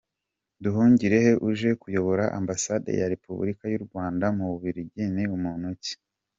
Nduhungirehe uje kuyobora Ambasade ya Repubulika y’ u Rwanda mu bubiligi ni muntu ki?.